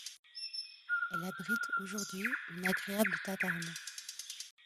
Elle abrite aujourd’hui une agréable taverne.